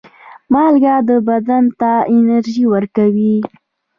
مالګه بدن ته انرژي ورکوي.